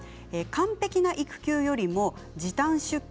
完璧な育休よりも時短出勤